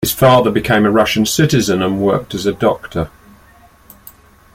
His father became a Russian citizen and worked as a doctor.